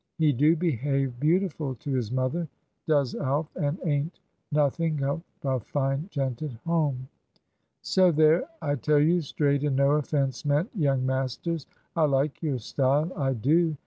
He do behave beautiful to his mother, does Alf, and ain't nothink of a fine gent at home. So there, I tell you straight, and no offence meant, young masters. I like your style, I do.